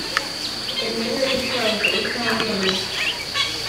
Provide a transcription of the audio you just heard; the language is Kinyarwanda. umenye gusaza utanduranyije